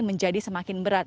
menjadi semakin berat